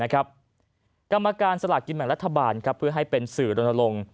กรรมการสลากกินแบ่งรัฐบาลเพื่อให้เป็นสื่อรณรงค์